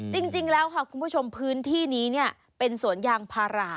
จริงแล้วค่ะคุณผู้ชมพื้นที่นี้เป็นสวนยางพารา